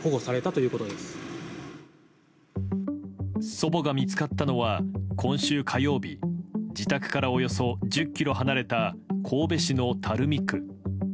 祖母が見つかったのは今週火曜日自宅からおよそ１０ｋｍ離れた神戸市の垂水区。